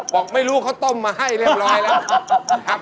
บอกไม่รู้เขาต้มมาให้เรียบร้อยแล้วนะครับ